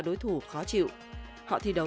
đối thủ khó chịu họ thi đấu